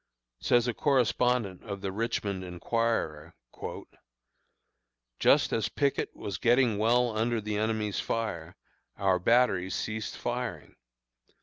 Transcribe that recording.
Says a correspondent of the Richmond Enquirer: "Just as Pickett was getting well under the enemy's fire, our batteries ceased firing.